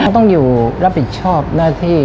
ต้องอยู่รับผิดชอบหน้าที่